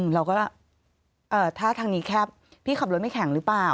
เราก็ถ้าทางนี้แคบพี่ขับรถไม่แข็งหรือเปล่า